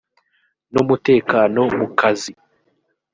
n umutekano mu kazi